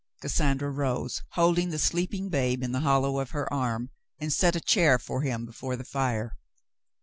Cassandra rose, holding the sleeping babe in the hollow of her arm, and set a chair for him before the fire.